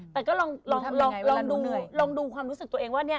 แต่ก็ลองดูความรู้สึกตัวเองว่า